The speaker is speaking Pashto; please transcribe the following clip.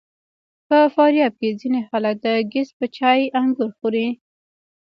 په فاریاب کې ځینې خلک د ګیځ په چای انګور خوري.